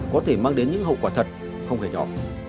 có thể mang đến những hậu quả thật không hề nhỏ